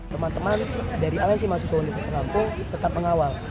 teman teman dari alansi mahasiswa universitas lampung tetap mengawal